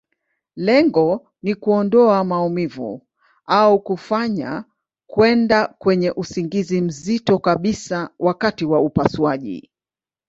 Lengo ni kuondoa maumivu, au kufanya kwenda kwenye usingizi mzito kabisa wakati wa upasuaji.